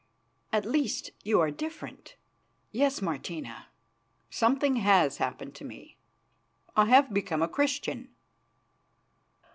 At least you are different." "Yes, Martina, something has happened to me. I have become a Christian."